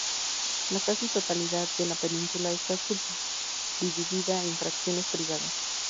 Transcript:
La casi totalidad de la península está subdividida en fracciones privadas.